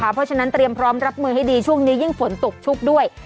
เพราะฉะนั้นเตรียมพร้อมรับมือให้ดีช่วงนี้ยิ่งฝนตกชุกด้วย